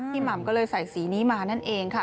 หม่ำก็เลยใส่สีนี้มานั่นเองค่ะ